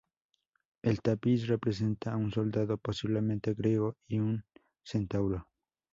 El tapiz representa a un soldado, posiblemente griego, y un centauro.